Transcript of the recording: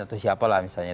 atau siapalah misalnya